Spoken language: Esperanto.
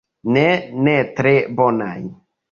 Ne, ne tre bonajn.